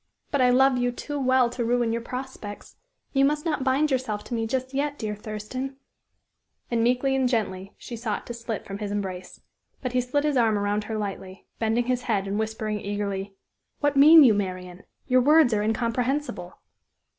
But I love you too well to ruin your prospects. You must not bind yourself to me just yet, dear Thurston," and meekly and gently she sought to slip from his embrace. But he slid his arm around her lightly, bending his head and whispering eagerly: "What mean you, Marian? Your words are incomprehensible."